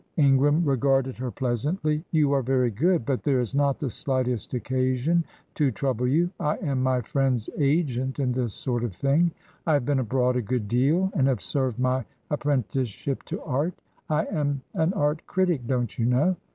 Ingram regarded her pleasantly. "You are very good, but there is not the slightest occasion to trouble you. I am my friend's agent in this sort of thing. I have been abroad a good deal, and have served my apprenticeship to art. I am an art critic, don't you know.